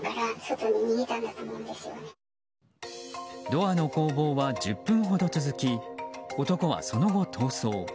ドアの攻防は１０分ほど続き男はその後、逃走。